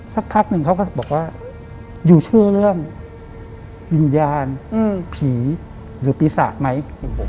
สักพักหนึ่งเขาก็บอกว่ายูเชื่อเรื่องวิญญาณผีหรือปีศาจไหม